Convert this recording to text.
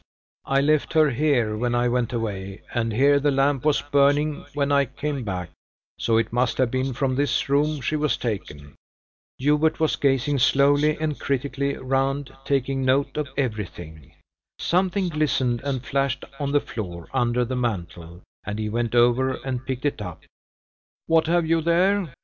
"I left her here when I went away, and here the lamp was burning when I came back: so it must have been from this room she was taken." Hubert was gazing slowly and critically round, taking note of everything. Something glistened and flashed on the floor, under the mantel, and he went over and picked it up. "What have you there?"